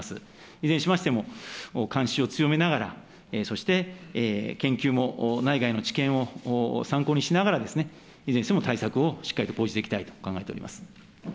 いずれにしましても、監視を強めながら、そして研究も、内外の知見を参考にしながら、いずれにしても対策をしっかりと講じていきたいと考えております。